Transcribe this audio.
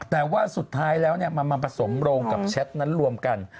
แต่ว่าสุดท้ายแล้วมันมาผสมโรงกับแชทนั้นรวมกัน